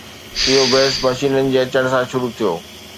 اهو بحث مشينن جي اچڻ سان شروع ٿيو.